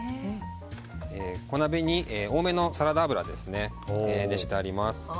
小鍋に多めのサラダ油を熱してあります。